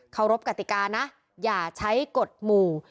เขารบกติกานะอย่าใช้กฎหมู่